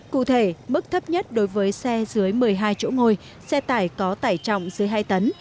cụ thể mức thấp nhất đối với xe dưới một mươi hai chỗ ngồi xe tải có tải trọng dưới hai tấn